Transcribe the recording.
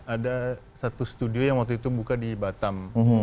ada satu studio yang waktu itu buka di batam